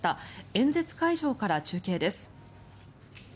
演説会場から中継です。